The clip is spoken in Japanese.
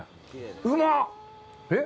うまっ！